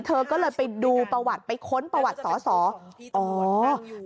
เธอก็เลยไปดูประวัติไปค้นประวัติสอสออ๋อ